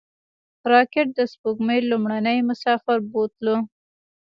راکټ د سپوږمۍ لومړنی مسافر بوتله